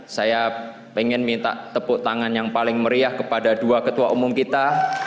saya ingin minta tepuk tangan yang paling meriah kepada dua ketua umum kita